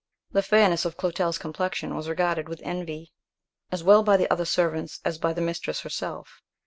The fairness of Clotel's complexion was regarded with envy as well by the other servants as by the mistress herself.